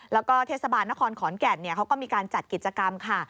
แล้วก็เทศบาลนครขอนแก่นเขาก็มีการจัดกิจกรรมค่ะ